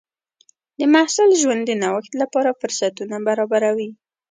د محصل ژوند د نوښت لپاره فرصتونه برابروي.